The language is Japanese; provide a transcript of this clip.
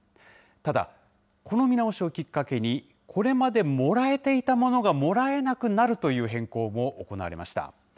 ただ、この見直しをきっかけに、これまでもらえていたものがもらえなくなるという変更も行われました。